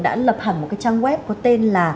đã lập hẳn một trang web có tên là